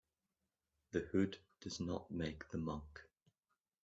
The hood does not make the monk.